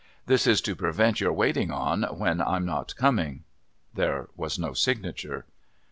This is to prevent your waiting on when I'm not coming. There was no signature.